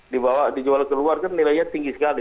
dibawa dijual ke luar kan nilainya tinggi sekali